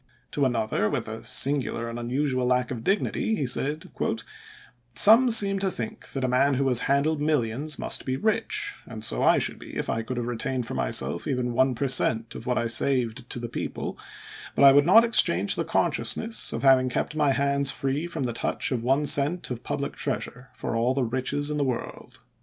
To another, with a singular and unusual lack of dignity, he said :" Some seem to think that a man who has handled millions must be rich, and so I should be if I could have retained for myself even one per cent, of what I saved to the people ; but I would not exchange the consciousness of having kept my hands free from the touch of one cent of public treasure for all the riches in the world."